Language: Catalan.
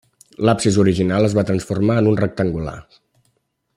L'absis original es va transformar en un de rectangular.